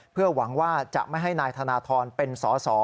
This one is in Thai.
เพื่อหวังว่าจะไม่ให้นายธนทรเป็นสอสอ